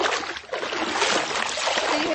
দেরি হয়ে যাচ্ছে!